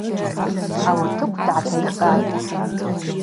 Ауатыкв дгӏатайцӏатӏ.